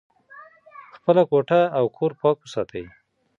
خپله کوټه او کور پاک وساتئ.